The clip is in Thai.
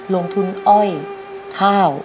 ลงทุนอ้อยข้าว